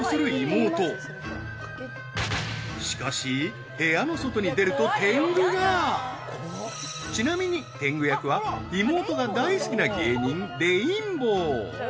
しかし部屋の外に出ると天狗がちなみに天狗役は妹が大好きな芸人レインボー